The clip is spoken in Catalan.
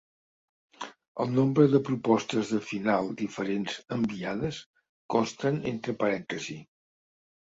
El nombre de propostes de final diferents enviades consten entre parèntesi.